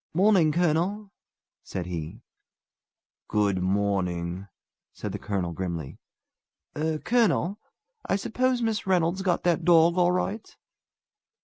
"Morning, colonel!" said he. "Good morning!" said the colonel grimly. "Er colonel, I er suppose Miss Reynolds got that dog all right?"